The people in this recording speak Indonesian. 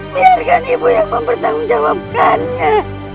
biarkan ibu yang mempertanggungjawabkannya